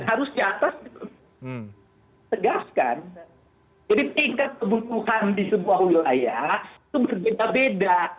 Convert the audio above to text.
harus diatas diataskan jadi tingkat kebutuhan di sebuah wilayah itu berbeda beda